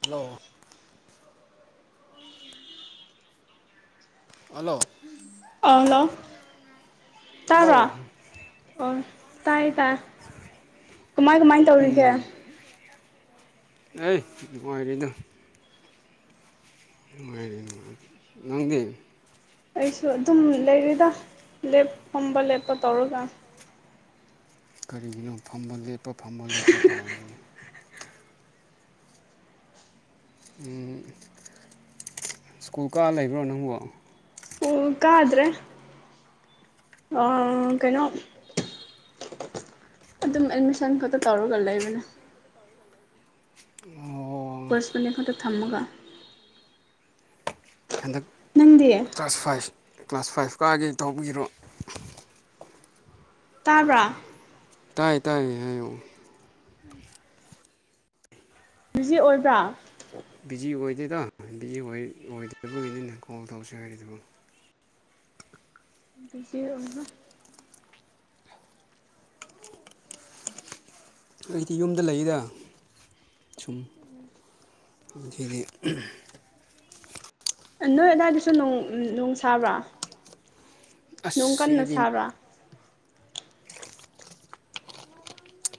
hello hello ꯑꯥ hello ꯇꯥꯗ꯭ꯔꯣ hello ꯑꯣ ꯇꯥꯏꯌꯦ ꯇꯥ ꯀꯃꯥꯏ ꯀꯃꯥꯏ ꯇꯧꯔꯤꯒꯦ ꯎꯝ ꯑꯩ ꯅꯨꯡꯉꯥꯏꯔꯤꯗ ꯅꯨꯉꯥꯏꯔꯤ ꯅꯪꯗꯤ ꯑꯩꯁꯨ ꯑꯗꯨꯝ ꯂꯩꯔꯤꯗ ꯂꯦꯞ ꯐꯝꯕ ꯂꯦꯞꯄ ꯇꯧꯔꯒ ꯀꯔꯤꯒꯤꯅꯣ ꯐꯝꯕ ꯂꯦꯞꯄ ꯐꯝꯕ ꯂꯦꯞꯄ ꯇꯧꯔꯤꯗꯤ ꯎꯝ ꯁ꯭ꯀꯨꯜ ꯀꯥ ꯂꯩꯕ꯭ꯔꯣ ꯅꯪꯕꯣ ꯁ꯭ꯀꯨꯜ ꯀꯥꯗ꯭ꯔꯦ ꯑꯥ ꯀꯩꯅꯣ ꯑꯗꯨꯝ ꯑꯦꯗꯃꯤꯁꯟ ꯈꯛꯇ ꯇꯧꯔꯒ ꯂꯩꯕꯅꯦ ꯑꯣ ꯄꯥꯔꯁꯟꯅꯦ ꯈꯛꯇ ꯊꯝꯃꯒ ꯍꯟꯗꯛ ꯅꯪꯗꯤ ꯀ꯭ꯂꯥꯁ ꯐꯥꯏꯚ ꯀ꯭ꯂꯥꯁ ꯐꯥꯏꯚ ꯀꯥꯒꯦ ꯇꯧꯕꯤꯔꯣ ꯇꯥꯕ꯭ꯔꯥ ꯇꯥꯏꯌꯦ ꯇꯥꯏꯌꯦ ꯍꯥꯏꯌꯨ ꯕꯤꯖꯤ ꯑꯣꯏꯕ꯭ꯔꯥ ꯕꯤꯖꯤ ꯑꯣꯏꯗꯦꯗ ꯕꯤꯖꯤ ꯑꯣꯏ ꯑꯣꯏꯗꯕꯒꯤꯅꯤꯅꯦ ꯀꯣꯜ ꯇꯧꯁꯦ ꯍꯥꯏꯔꯤꯗꯨ ꯕꯤꯖꯤ ꯑꯣꯏꯕ꯭ꯔꯥ ꯑꯩꯗꯤ ꯌꯨꯝꯗ ꯂꯩꯗ ꯁꯨꯝ [inaudible] ꯁꯤꯗꯤ [unintelligible] ꯑ ꯅꯣꯏ ꯑꯗꯥꯏꯗꯁꯨ ꯅꯣꯡ ꯅꯣꯡ ꯁꯥꯕ꯭ꯔꯥ ꯑꯁ ꯅꯣꯡ ꯀꯟꯅ ꯁꯤꯗꯗꯤ ꯁꯥꯕ꯭ꯔꯥ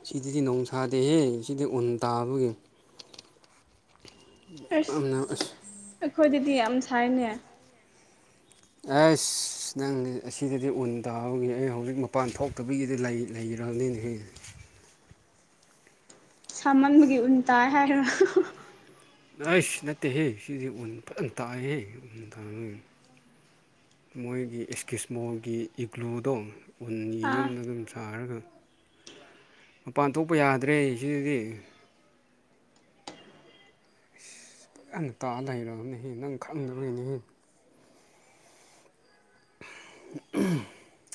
ꯁꯤꯗꯗꯤ ꯅꯣꯡꯁꯥꯗꯦꯍꯦ ꯁꯤꯗꯤ ꯎꯟ ꯇꯥꯕꯒꯤ ꯑꯝꯅꯥꯎ ꯑꯁ ꯈꯣꯏꯗꯗꯤ ꯌꯥꯝ ꯁꯥꯏꯅꯦ ꯑꯁ ꯅꯪ ꯑꯁꯤꯗꯗꯤ ꯎꯟ ꯇꯥꯕꯒꯤ ꯑꯩ ꯍꯧꯖꯤꯛ ꯃꯄꯥꯟ ꯊꯣꯛꯇꯕꯤꯒꯤꯗ ꯂꯩ ꯂꯩ ꯔꯥꯡꯅꯤꯅꯦꯍꯦ [inaudible] ꯁꯥꯃꯟꯕꯒꯤ ꯎꯟ ꯇꯥꯏ ꯍꯥꯏꯔꯣ ꯑꯩꯁ ꯅꯠꯇꯦꯍꯦ ꯁꯤꯖꯦ ꯎꯟ ꯐꯖꯟ ꯇꯥꯏꯍꯦ ꯎꯟ ꯇꯥꯕꯒꯤ ꯃꯣꯏꯒꯤ ꯑꯦꯁꯀꯤꯁꯃꯣꯒꯤ ꯏꯒ꯭ꯂꯨꯗꯣ ꯎꯟꯒꯤ ꯑꯥ ꯌꯨꯝꯗ ꯗꯨꯝ ꯁꯥꯔꯒ ꯃꯄꯥꯟ ꯊꯣꯛꯄ ꯌꯥꯗ꯭ꯔꯦ ꯁꯤꯗꯗꯤ ꯏꯁ ꯒ꯭ꯌꯥꯟ ꯇꯥ ꯂꯩꯔꯝꯅꯦꯍꯦ ꯅꯪ ꯈꯪꯗꯕꯩꯅꯦꯍꯦ [unintelligible]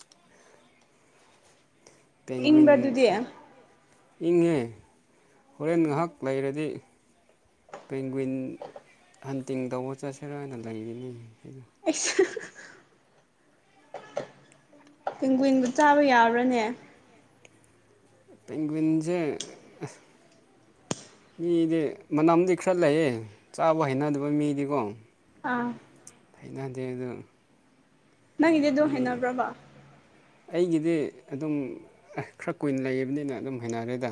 ꯄꯦꯡꯒ꯭ꯋꯨꯢꯟ ꯏꯪꯕ꯭ꯔꯥ ꯑꯗꯨꯗꯤ ꯏꯪꯉꯦ ꯍꯣꯔꯦꯟ ꯉꯍꯥꯛ ꯂꯩꯔꯗꯤ ꯄꯦꯡꯒꯨꯢꯟ ꯍꯟꯇꯤꯡ ꯇꯧꯕ ꯆꯠꯁꯤꯔꯅ ꯂꯩꯔꯤꯅꯤ ꯑꯩꯁ [unintelligible] ꯄꯦꯡꯀꯨꯏꯟꯕꯨ ꯆꯥꯕ ꯌꯥꯕ꯭ꯔꯥꯅꯦ ꯄꯦꯡꯒꯨꯢꯟꯖꯦ ꯃꯤꯗꯤ ꯃꯅꯝꯗꯤ ꯈ꯭ꯔ ꯂꯩꯌꯦ ꯆꯥꯕ ꯍꯩꯅꯗꯕ ꯃꯤꯗꯤꯀꯣ ꯑꯥ ꯍꯩꯅꯗꯦ ꯑꯗꯣ ꯅꯪꯒꯤꯗꯤ ꯑꯗꯨꯝ ꯍꯩꯅꯕ꯭ꯔꯕ ꯑꯩꯒꯤꯗꯤ ꯑꯗꯨꯝ ꯈꯔ ꯀꯨꯏꯅ ꯂꯩꯌꯦꯕꯅꯤꯅ ꯑꯗꯨꯝ ꯍꯩꯅꯔꯦꯗ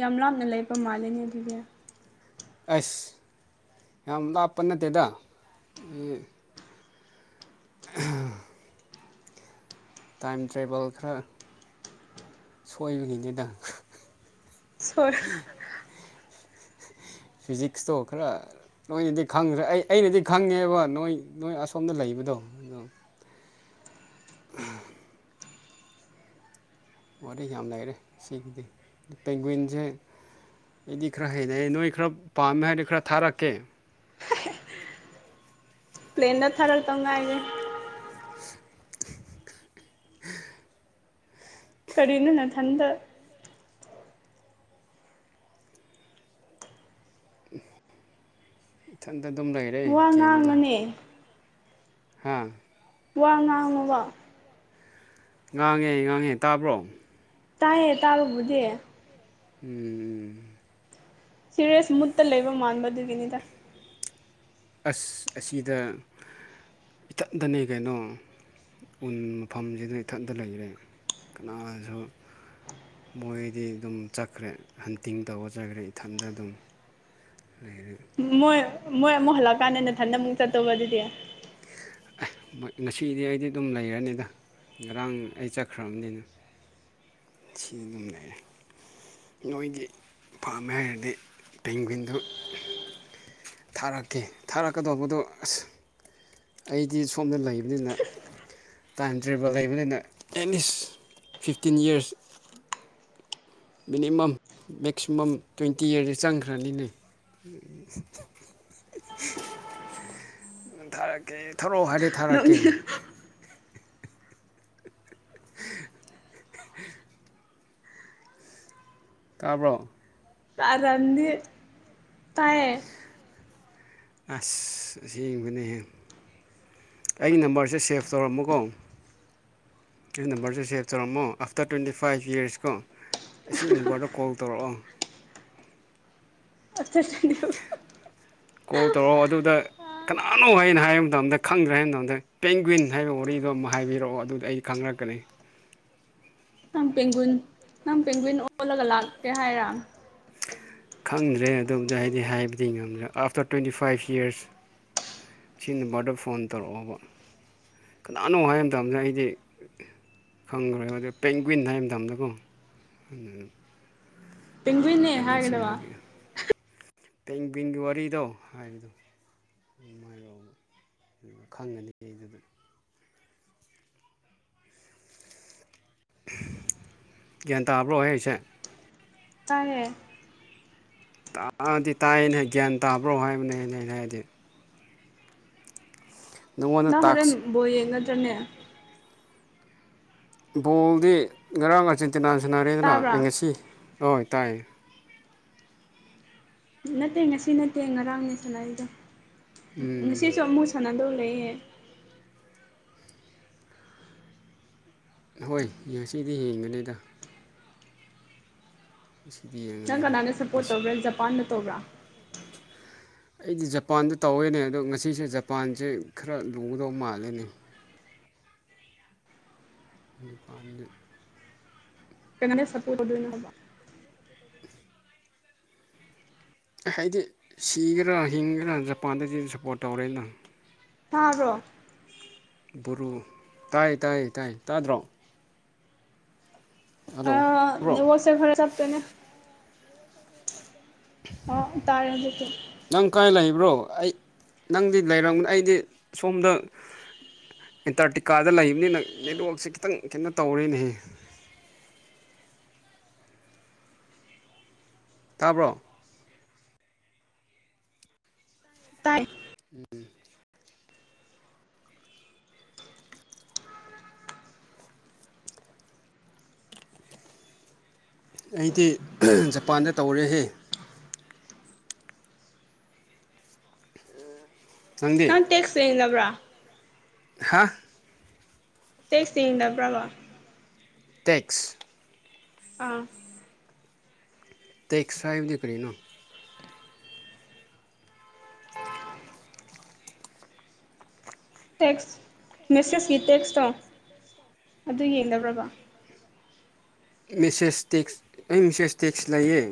ꯌꯥꯝ ꯂꯥꯞꯅ ꯂꯩꯕ ꯃꯥꯜꯂꯤꯅꯦ ꯑꯗꯨꯗꯤ ꯑꯁ ꯌꯥꯝ ꯂꯥꯞꯄ ꯅꯠꯇꯦꯗ ꯑꯍꯝ ꯇꯥꯏꯝ ꯇ꯭ꯔꯥꯕꯜ ꯈꯔ ꯁꯣꯢꯕꯒꯤꯅꯤꯗ ꯁꯣꯏ [inaudible] ꯐꯤꯖꯤꯛꯁꯇꯣ ꯈꯔ ꯅꯣꯏꯅꯗꯤ ꯈꯪꯗ꯭ꯔꯦ ꯑꯩ ꯑꯩꯅꯗꯤ ꯈꯪꯉꯦꯕ ꯅꯣꯏ ꯅꯣꯏ ꯑꯁꯣꯝꯗ ꯂꯩꯕꯗꯣ [unintelligible] ꯋꯥꯔꯤ ꯌꯥꯝ ꯂꯩꯔꯦ ꯁꯤꯒꯤꯗꯤ ꯄꯦꯡꯒꯨꯢꯟꯁꯦ ꯑꯩꯗꯤ ꯈꯔ ꯍꯩꯅꯩ ꯅꯣꯏ ꯈꯔ ꯄꯥꯝꯃꯦ ꯍꯥꯏꯗꯤ ꯈꯔ ꯊꯥꯔꯛꯀꯦ ꯄ꯭ꯂꯦꯟꯗ ꯊꯔꯛꯇꯧ ꯉꯥꯢꯔꯦ ꯀꯔꯤꯅꯣ ꯅꯊꯟꯗ ꯏꯊꯟꯇ ꯑꯗꯨꯝ ꯂꯩꯔꯦ ꯋꯥ ꯒꯦꯝꯗ ꯉꯥꯡꯉꯨꯅꯦ ꯍꯥꯥ ꯋꯥ ꯉꯥꯡꯉꯣꯕ ꯉꯥꯡꯉꯦ ꯉꯥꯡꯉꯦ ꯇꯥꯕ꯭ꯔꯣ ꯇꯥꯏꯌꯦ ꯇꯥꯕꯕꯨꯗꯤ ꯎꯝ ꯁꯤꯔꯤꯌꯁ ꯃꯨꯠꯇ ꯂꯩꯕ ꯃꯥꯟꯕ ꯑꯗꯨꯒꯤꯅꯤꯗ ꯑꯁ ꯑꯁꯤꯗ ꯏꯊꯟꯗꯅꯦ ꯀꯩꯅꯣ ꯎꯟ ꯃꯐꯝꯁꯤꯗ ꯏꯊꯟꯇ ꯂꯩꯔꯦ ꯀꯅꯥꯁꯨ ꯃꯣꯏꯗꯤ ꯑꯗꯨꯝ ꯆꯠꯈ꯭ꯔꯦ ꯍꯟꯇꯤꯡ ꯇꯧꯕ ꯆꯠꯈ꯭ꯔꯦ ꯏꯊꯟꯗ ꯑꯗꯨꯝ ꯂꯩꯔꯦ ꯃꯣꯏ ꯃꯣꯏ ꯑꯃꯨꯛ ꯍꯜꯂꯛꯀꯥꯟꯗ ꯅꯊꯟꯗ ꯑꯃꯨꯛ ꯆꯠꯇꯧꯕ ꯑꯗꯨꯗꯤ ꯃꯣꯏ ꯉꯁꯤꯗꯤ ꯑꯩꯗꯤ ꯑꯗꯨꯝ ꯂꯩꯔꯅꯤꯗ ꯉꯔꯥꯡ ꯑꯩ ꯆꯠꯈ꯭ꯔꯕꯅꯤꯅ ꯁꯤ ꯑꯗꯨꯝ ꯂꯩꯔꯦ ꯅꯣꯏꯒꯤ ꯄꯥꯝꯃꯦ ꯍꯥꯏꯔꯗꯤ ꯄꯦꯡꯒꯨꯢꯟꯗꯨ ꯊꯥꯔꯛꯀꯦ ꯊꯥꯔꯛꯀꯗꯧꯕꯗꯣ ꯑꯁ ꯑꯩꯗꯤ ꯁꯣꯝꯗ ꯂꯩꯕꯅꯤꯅ ꯇꯥꯏꯝ ꯇ꯭ꯔꯥꯕꯜ ꯂꯩꯕꯅꯤꯅ at least fifteen years minimum maximum twenty ꯏꯌꯔꯁꯦ ꯆꯪꯈ꯭ꯔꯅꯤꯅꯦ [unintelligible] [inaudible] ꯊꯥꯔꯛꯀꯦ ꯊꯧꯔꯛꯑꯣ ꯍꯥꯏꯗꯤ ꯊꯥꯔꯛꯀꯦ ꯅꯣꯛꯅꯤꯡ [unintelligible] ꯇꯥꯕ꯭ꯔꯣ ꯀꯔꯟꯗꯤ ꯇꯥꯏꯌꯦ ꯑꯁ ꯑꯁꯦꯡꯕꯅꯦꯍꯦ ꯑꯩ ꯅꯝꯕꯔꯁꯦ ꯁꯦꯞ ꯇꯧꯔꯝꯃꯨꯀꯣ ꯑꯩ ꯅꯝꯕꯔꯁꯦ ꯁꯦꯞ ꯇꯧꯔꯝꯃꯣ ꯑꯥꯐꯇꯔ ꯇ꯭ꯋꯦꯟꯇꯤ ꯐꯥꯏꯚ ꯌꯔꯁ ꯀꯣ ꯑꯁꯤꯒꯤ ꯅꯝꯕꯔꯗ ꯀꯣꯜ ꯇꯧꯔꯛꯑꯣ [unintelligible] ꯀꯣꯜ ꯇꯧꯔꯛꯑꯣ ꯑꯗꯨꯗ ꯀꯅꯥꯅꯣ ꯍꯥꯏꯅ ꯍꯥꯏꯕ ꯃꯇꯝꯗ ꯈꯪꯗ꯭ꯔꯦ ꯍꯥꯏꯕ ꯃꯇꯝꯗ ꯄꯦꯡꯒ꯭ꯋꯤꯟ ꯍꯥꯏꯕ ꯋꯥꯔꯤꯗꯣ ꯑꯃ ꯍꯥꯏꯕꯤꯔꯛꯑꯣ ꯑꯗꯨꯗ ꯑꯩ ꯈꯪ ꯉꯛꯀꯅꯤ ꯅꯪ ꯄꯦꯡꯒꯨꯟ ꯅꯪ ꯄꯦꯡꯒꯨꯟ ꯑꯣꯜꯂꯒ ꯂꯥꯛꯀꯦ ꯍꯥꯏꯔ ꯈꯪꯗ꯭ꯔꯦ ꯑꯗꯨꯕꯨꯗꯤ ꯍꯥꯏꯗꯤ ꯍꯥꯏꯕꯗꯤ ꯉꯝꯗ꯭ꯔꯦ ꯑꯥꯐꯇꯔ ꯇ꯭ꯋꯦꯟꯇꯤ ꯐꯥꯏꯚ ꯌꯔꯁ ꯁꯤ ꯅꯝꯕ꯭ꯔꯗ ꯐꯣꯟ ꯇꯧꯔꯛꯑꯣꯕ ꯀꯅꯥꯅꯣ ꯍꯥꯏꯕ ꯃꯇꯝꯁꯤ ꯑꯩꯗꯤ ꯈꯪꯈ꯭ꯔꯣꯏꯕꯗ ꯄꯦꯡ ꯀ꯭ꯋꯤꯟ ꯍꯥꯏ ꯃꯇꯝꯗꯀꯣ ꯑꯗꯨ ꯄꯦꯡꯒꯨꯏꯟꯅꯦ ꯍꯥꯏꯒꯗꯕ ꯄꯤꯡ ꯄꯤꯡꯒꯤ ꯋꯥꯔꯤꯗꯣ ꯍꯥꯏꯕꯗꯣ [unintelligible] ꯈꯪꯒꯅꯤ ꯑꯩ ꯑꯗꯨꯗꯤ ꯒ꯭ꯌꯥꯟ ꯇꯥꯔꯕ꯭ꯔꯣ ꯑꯩ ꯍꯥꯏꯁꯦ ꯇꯥꯏꯌꯦ ꯇꯥꯗꯤ ꯇꯥꯏꯅꯦ ꯒ꯭ꯌꯥꯟ ꯇꯥꯕ꯭ꯔꯣ ꯍꯥꯏꯕꯅꯦ ꯑꯩꯅ ꯍꯥꯏꯕꯗꯤ ꯅꯪꯉꯣꯟꯗ ꯅꯪ ꯍꯣꯔꯦꯟ ꯇꯥꯛꯁ ꯕꯣꯜ ꯌꯦꯡꯒꯗ꯭ꯔꯅꯦ ꯕꯣꯜꯗꯤ ꯉꯔꯥꯡ ꯑꯥꯔꯖꯦꯟꯇꯤꯅꯥꯅ ꯁꯥꯟꯅꯔꯦꯗꯅ ꯑ ꯇꯥꯕ꯭ꯔꯥ ꯉꯁꯤ ꯍꯣꯏ ꯇꯥꯏ ꯅꯠꯇꯦ ꯉꯁꯤ ꯅꯠꯇꯦ ꯉꯔꯥꯡꯅꯦ ꯁꯥꯟꯅꯔꯤꯗꯣ ꯎꯝ ꯉꯁꯤꯁꯨ ꯑꯃꯨꯛ ꯁꯥꯟꯅꯗꯧꯔꯤ ꯂꯩꯌꯦ ꯍꯣꯏ ꯉꯁꯤꯗꯤ ꯌꯦꯡꯒꯅꯤꯗ ꯉꯁꯤꯗꯤ ꯅꯪ ꯌꯦꯡꯒꯅꯤꯗ ꯀꯅꯥꯅ ꯁꯞꯄꯣꯔꯠ ꯉꯁꯤ ꯇꯧꯕ꯭ꯔꯥ ꯖꯄꯥꯟꯗ ꯇꯧꯕ꯭ꯔꯥ ꯑꯩꯗꯤ ꯖꯄꯥꯟꯗ ꯇꯧꯋꯦꯅꯦ ꯑꯗꯣ ꯉꯁꯤꯁꯦ ꯖꯄꯥꯟꯁꯦ ꯈꯔ ꯂꯨꯒꯗꯧ ꯃꯥꯜꯂꯦꯅꯤ [inaudible] ꯅꯤꯄꯥꯥꯟꯗ ꯀꯥꯅꯗ ꯁꯞꯄꯣꯔꯠ ꯇꯧꯗꯣꯏꯅꯣ ꯍꯥꯏꯕ ꯍꯥꯏꯗꯤ ꯁꯤꯒꯦꯔꯥ ꯍꯤꯡꯒꯦꯔꯥ ꯖꯄꯥꯟꯗꯗꯤ ꯁꯞꯄꯣꯔꯠ ꯇꯧꯔꯦꯅ ꯊꯥꯗ꯭ꯔꯣ ꯕꯣꯔꯨ ꯇꯥꯏ ꯇꯥꯏ ꯇꯥꯏ ꯇꯥꯗ꯭ꯔꯣ ꯍꯜꯂꯣ ꯑꯥ ꯇꯥꯕ꯭ꯔꯣ ꯅꯦꯠꯋꯥꯛꯁꯦ ꯈꯥꯔ ꯆꯞꯄꯦꯅꯦ ꯑꯣ ꯇꯥꯏ ꯍꯧꯖꯤꯛꯇꯤ ꯕ꯭ꯔꯣ ꯑꯩ ꯅꯪꯗꯤ ꯂꯩꯔꯝ ꯑꯩꯗꯤ ꯁꯣꯝꯗ ꯑꯦꯟꯇꯥꯔꯇꯤꯀꯥꯗ ꯂꯩꯕꯅꯤꯅ ꯅꯦꯠꯋꯥꯛꯁꯦ ꯈꯤꯇꯪ ꯀꯩꯅꯣ ꯇꯧꯔꯦꯅꯦꯍꯦ [inaudible] ꯇꯥꯕ꯭ꯔꯣ ꯇꯥꯏ ꯎꯝ ꯑꯩꯗꯤ ꯖꯄꯥꯟꯗ ꯇꯧꯔꯦꯍꯦ ꯅꯪꯗꯤ ꯅꯪ ꯇꯦꯛꯁ ꯍꯦꯜꯂꯕ꯭ꯔ ꯍꯥꯥ ꯇꯦꯛꯁ ꯌꯦꯡꯗꯕ꯭ꯔꯥꯕ ꯇꯦꯛꯁ ꯑꯥ ꯇꯦꯛꯁ ꯍꯥꯏꯕꯗꯤ ꯀꯔꯤꯅꯣ ꯇꯦꯛꯁ ꯃꯦꯁꯦꯁꯀꯤ ꯇꯦꯛꯁꯇꯣ ꯑꯗꯨ ꯌꯦꯡꯗꯕ꯭ꯔꯕ ꯃꯦꯁꯦꯁ ꯇꯦꯛꯁ ꯑꯩ ꯃꯦꯁꯦꯁ ꯇꯦꯛꯁ ꯂꯩꯌꯦ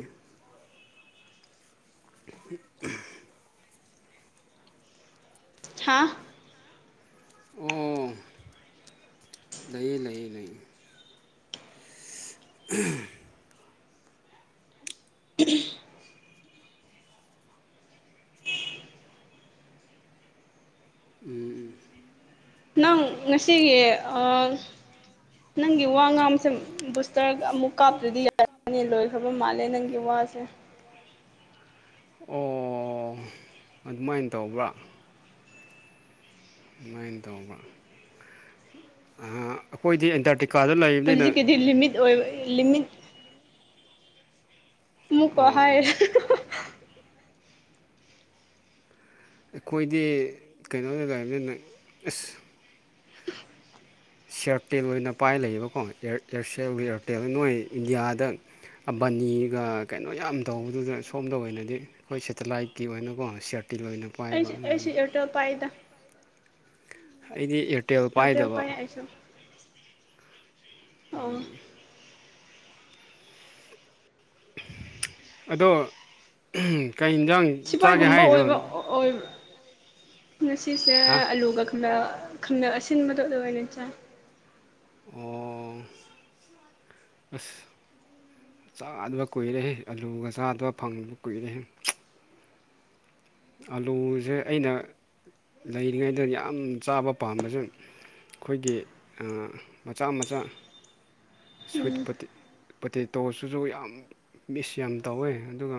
[inaudible] ꯍꯥꯥ ꯑꯣ ꯂꯩꯌꯦ ꯂꯩꯌꯦ ꯂꯩꯌꯦ [unintelligible] ꯎꯝ ꯅꯪ ꯉꯁꯤꯒꯤ ꯑꯥ ꯅꯪꯒꯤ ꯋꯥ ꯉꯥꯡꯕꯁꯦ ꯕꯨꯁꯇ꯭ꯔ ꯑꯃꯨꯛ ꯀꯥꯞꯇ꯭ꯔꯗꯤ ꯌꯥꯔꯅꯤ ꯂꯣꯏꯈ꯭ꯔꯕ ꯃꯥꯜꯂꯦ ꯅꯪꯒꯤ ꯋꯥ ꯋꯥꯁꯦ ꯑꯣ ꯑꯗꯨꯃꯥꯏꯅ ꯇꯧꯕ꯭ꯔꯥ ꯑꯗꯨꯃꯥꯏꯅ ꯇꯧꯕ ꯑꯥ ꯑꯈꯣꯏꯗꯤ ꯑꯦꯟꯇꯔꯇ ꯍꯧꯖꯤꯛꯀꯤꯗꯤ ꯂꯤꯃꯤꯠ ꯑꯣꯏ ꯂꯤꯃꯤꯠ ꯃꯨꯀ ꯑꯣ ꯍꯥꯏ ꯑꯈꯣꯏꯗꯤ ꯀꯩꯅꯣꯗ ꯂꯩꯕꯅꯤꯅ ꯑꯁ [inaudible] ꯁꯤꯌꯥꯔꯇꯦꯜ ꯑꯣꯏꯅ ꯄꯥꯏ ꯂꯩꯌꯦꯕꯀꯣ ꯏꯌꯥꯔꯁꯦꯜ ꯏꯌꯥꯔꯇꯦꯜ ꯅꯣꯏ ꯏꯟꯗꯤꯌꯥꯗ ꯕꯅꯤꯒ ꯀꯩꯅꯣ ꯌꯥꯝ ꯇꯧꯕꯗꯨꯗ ꯁꯣꯝꯗ ꯑꯣꯏꯅꯗꯤ ꯑꯈꯣꯏ ꯁꯦꯇꯦꯂꯥꯏꯠꯀꯤ ꯑꯣꯏꯅꯀꯣ ꯁꯔꯠ ꯑꯩꯁꯨ ꯏꯔꯇꯦꯜ ꯄꯥꯏꯗ ꯑꯩꯗꯤ ꯑꯦꯌꯥꯔꯇꯦꯜ ꯄꯥꯏꯗꯕ ꯄꯥꯏ ꯑꯩꯁꯨ ꯑꯣ ꯑꯗꯣ ꯀꯩ ꯖꯥꯡ ꯆꯥꯒꯦ ꯁꯤꯐꯥꯏꯒꯨꯝꯕ ꯍꯥꯏꯅꯣ ꯑꯣꯏꯕ ꯑꯣꯏꯕ ꯉꯁꯤꯁꯦ ꯑꯂꯨꯒ ꯈꯪꯃꯦꯜ ꯈꯪꯃꯦꯜ ꯑꯁꯤꯟꯕꯗꯣ ꯑꯗꯨꯒ ꯑꯣꯏꯅ ꯆꯥꯏ ꯑꯣ ꯑꯁ ꯆꯥꯗꯕ ꯀꯨꯏꯔꯦ ꯍꯦ ꯑꯂꯨꯒ ꯆꯥꯗꯕ ꯐꯪꯕ ꯀꯨꯏꯔꯦ ꯑꯂꯨꯁꯦ ꯑꯩꯅ ꯂꯩꯔꯤꯉꯩꯗ ꯌꯥꯝ ꯆꯥꯕ ꯄꯥꯝꯕꯁꯦ ꯑꯈꯣꯏꯒꯤ ꯃꯆꯥ ꯃꯆꯥ ꯁ꯭ꯋꯤꯠꯄꯣꯇꯦ ꯄꯣꯇꯦꯁꯤꯁꯨ ꯌꯥꯝ ꯃꯤꯁ ꯌꯥꯝ ꯇꯧꯋꯦ ꯑꯗꯨꯒ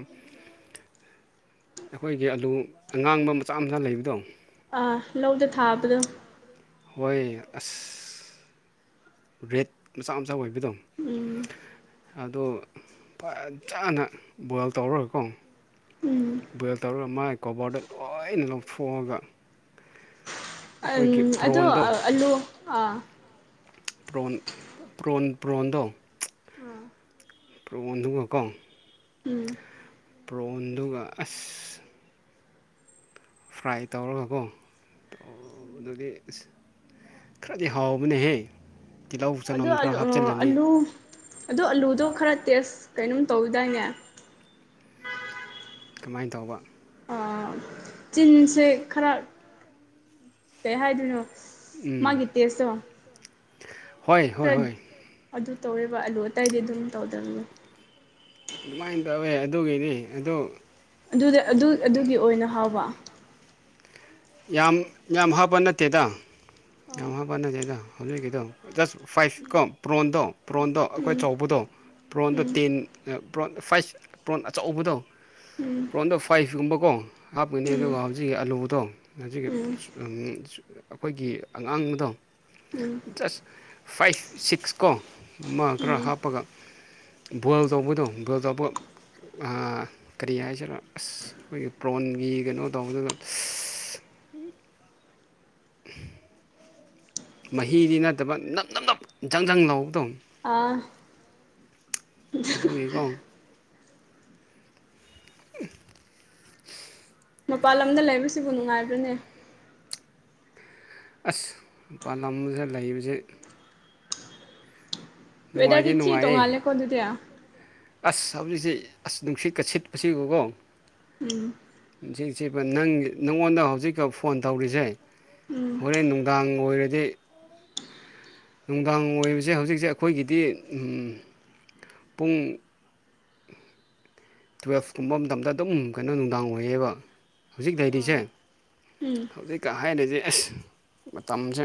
ꯑꯈꯣꯏꯒꯤ ꯑꯂꯨ ꯑꯉꯥꯡꯕ ꯃꯆꯥ ꯃꯆꯥ ꯂꯩꯕꯗꯣ ꯑꯥ ꯂꯧꯗ ꯊꯥꯕꯗꯣ ꯍꯣꯏ ꯑꯁ ꯔꯦꯠ ꯃꯆꯥ ꯃꯆꯥ ꯑꯣꯏꯕꯗꯣ ꯎꯝ ꯑꯗꯨ ꯐꯖꯅ ꯕꯣꯏꯜ ꯇꯧꯔꯒꯀꯣ ꯎꯝ ꯕꯣꯏꯜ ꯇꯧꯔꯒ ꯃꯥꯥꯏ ꯀꯣꯕꯥꯔꯗ ꯂꯣꯏꯅ ꯂꯧꯊꯣꯛꯑꯒ ꯑꯝ ꯑꯩꯈꯣꯏꯒꯤ ꯑꯗꯣ ꯄ꯭ꯔꯣꯟꯗꯣ ꯑꯂꯨ ꯑꯥ ꯄ꯭ꯔꯣꯟ ꯄ꯭ꯔꯣꯟ ꯄ꯭ꯔꯣꯟꯗꯣ ꯎꯝ ꯄ꯭ꯔꯣꯟ ꯗꯨꯒꯀꯣ ꯎꯝ ꯄ꯭ꯔꯣꯟꯗꯨꯒ ꯑꯁ ꯐ꯭ꯔꯥꯏ ꯇꯧꯔꯒꯀꯣ ꯑꯗꯨꯒꯤ ꯑꯁ ꯈꯔꯗꯤ ꯍꯥꯎꯕꯅꯦꯍꯦ ꯇꯤꯜꯍꯧ ꯑꯗꯣ ꯆꯅꯝ ꯈꯔ ꯑꯂꯨ ꯑꯥ ꯍꯥꯞꯆꯤꯜꯂꯅꯤ ꯑꯂꯨ ꯑꯗꯣ ꯑꯂꯨꯗꯣ ꯈꯔ ꯇꯦꯁ ꯀꯩꯅꯣꯝ ꯇꯧꯏꯗꯥꯏꯅꯦ ꯀꯃꯥꯏꯅ ꯇꯧꯕ ꯆꯤꯟꯁꯦ ꯈꯔ ꯀꯩ ꯍꯥꯏꯗꯣꯏꯅꯣ ꯎꯝ ꯃꯥꯒꯤ ꯇꯦꯁꯇꯣ ꯍꯣꯏ ꯍꯣꯏ ꯈꯔ ꯍꯣꯏ ꯑꯗꯨ ꯇꯧꯋꯦꯕ ꯑꯥꯂꯨ ꯑꯇꯩꯗꯤ ꯑꯗꯨꯝ ꯇꯧꯗꯕꯅꯤ ꯑꯗꯨꯃꯥꯏꯅ ꯇꯧꯋꯦ ꯑꯗꯨꯒꯤꯅꯤ ꯑꯗꯨ ꯑꯗꯨꯗꯤ ꯑꯗꯨ ꯑꯗꯨꯒꯤ ꯑꯣꯏꯅ ꯍꯥꯎꯕ ꯌꯥꯝ ꯌꯥꯝ ꯍꯥꯞꯄ ꯅꯠꯇꯦꯗ ꯌꯥꯝ ꯍꯥꯞꯄ ꯅꯠꯇꯦꯗ ꯍꯧꯖꯤꯛꯀꯤꯗꯣ ꯖꯁ ꯐꯥꯏꯚ ꯀꯣ ꯄ꯭ꯔꯣꯟꯗꯣ ꯄ꯭ꯔꯣꯟꯗꯣ ꯑꯈꯣꯏ ꯎꯝ ꯆꯧꯕꯗꯣ ꯄꯕ꯭ꯔꯣꯟꯗꯣ ꯎꯝ ꯇꯦꯟ ꯄ꯭ꯔꯣꯟ ꯐꯥꯏꯚ ꯄ꯭ꯔꯣꯟ ꯑꯆꯧꯕꯗꯣ ꯎꯝ ꯄ꯭ꯔꯣꯟꯗꯣ ꯐꯥꯏꯚꯀꯨꯝꯕꯀꯣ ꯍꯥꯞꯀꯅꯤ ꯎꯝ ꯑꯗꯨꯒ ꯍꯧꯖꯤꯛꯀꯤ ꯑꯂꯨꯗꯣ ꯍꯧꯖꯤꯛꯀꯤ ꯎꯝ ꯎꯝ ꯑꯈꯣꯏꯒꯤ ꯑꯉꯥꯡꯕꯗꯣ ꯎꯝ ꯖꯁ ꯐꯥꯏꯚ ꯁꯤꯛꯁ ꯀꯣ ꯃ ꯈꯔ ꯎꯝ ꯍꯥꯞꯄꯒ ꯕꯣꯏꯜ ꯇꯧꯕꯗꯣ ꯕꯣꯏꯜ ꯇꯧꯕꯒ ꯑꯥ ꯀꯔꯤ ꯍꯥꯏꯁꯤꯔ ꯑꯁ ꯑꯈꯣꯏꯒꯤ ꯄ꯭ꯔꯣꯟꯒꯤ ꯀꯅꯣ ꯇꯧꯕꯗꯨꯗ ꯑꯝ ꯃꯍꯤꯗꯤ ꯅꯠꯇꯕ ꯅꯞ ꯅꯞ ꯅꯞ ꯖꯪ ꯖꯪ ꯂꯥꯎꯕꯗꯣ ꯑꯥ ꯑꯗꯧꯋꯤꯀꯣ [inaudible] ꯃꯄꯥꯜ ꯂꯝꯗ ꯂꯩꯕꯁꯤꯕꯨ ꯅꯨꯡꯉꯥꯏꯕ꯭ꯔꯅꯦ ꯑꯁ ꯄꯥꯟꯂꯝꯖꯤꯗ ꯂꯩꯕꯖꯦ ꯋꯦꯗꯔꯗꯤ ꯊꯤ ꯅꯨꯡꯉꯥꯏꯌꯦ ꯇꯣꯡꯉꯥꯜꯂꯦ ꯀꯣ ꯑꯗꯨꯗꯤ ꯑꯁ ꯍꯧꯖꯤꯛꯁꯦ ꯑꯁ ꯅꯨꯡꯁꯤꯠꯀ ꯁꯤꯠꯄꯁꯤ ꯎꯒꯣ ꯎꯝ ꯅꯨꯡꯁꯤꯠ ꯁꯤꯠꯄ ꯅꯪꯒꯤ ꯅꯉꯣꯟꯗ ꯍꯧꯖꯤꯛꯀ ꯐꯣꯟ ꯇꯧꯔꯤꯖꯦ ꯎꯝ ꯍꯣꯔꯦꯟ ꯅꯨꯡꯗꯥꯡ ꯑꯣꯏꯔꯗꯤ ꯅꯨꯡꯗꯥꯡ ꯑꯣꯏꯕꯖꯦ ꯍꯧꯖꯤꯛꯁꯦ ꯑꯈꯣꯏꯒꯤꯗꯤ ꯄꯨꯡ ꯇꯨꯋꯦꯜꯐ ꯀꯨꯝꯕ ꯃꯇꯝꯗ ꯑꯗꯨꯝ ꯀꯩꯅꯣ ꯅꯨꯡꯗꯥꯡ ꯑꯣꯏꯌꯦꯕꯥ ꯍꯨꯖꯤꯛ ꯑ ꯂꯩꯔꯤꯖꯦ ꯎꯝ ꯍꯧꯖꯤꯛꯀ ꯍꯥꯏꯔꯗꯤ ꯑꯁ ꯃꯇꯝꯖꯦ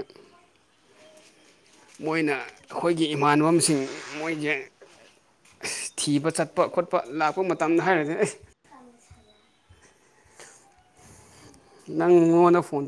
ꯃꯣꯏꯅ ꯑꯈꯣꯏꯒꯤ ꯏꯃꯥꯟꯅꯕꯝꯁꯤꯡ ꯃꯣꯏꯒꯤ ꯊꯤꯕ ꯆꯠꯄ ꯈꯣꯠꯄ ꯂꯥꯛꯄ ꯃꯇꯝꯗ ꯍꯥꯏꯔꯗꯤ ꯑꯩꯁ ꯅꯪꯉꯣꯟꯗ ꯐꯣꯟ ꯇꯧ